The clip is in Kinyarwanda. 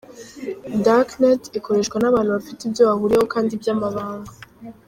Dark net ikoreshwa n’abantu bafite ibyo bahuriyeho kandi by’amabanga.